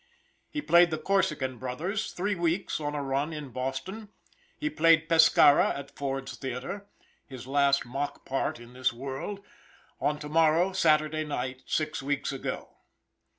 He played the Corsican Brothers three weeks on a run in Boston. He played Pescara at Ford's Theater his last mock part in this world on to morrow (Saturday) night, six weeks ago.